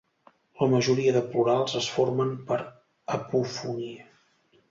La majoria de plurals es formen per apofonia.